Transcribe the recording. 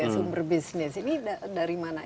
sumber bisnis ini dari mana